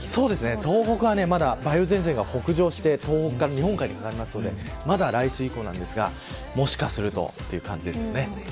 東北はまだ梅雨前線が北上して東北から日本海にかかりますのでまだ来週以降ですがもしかすると、という感じです。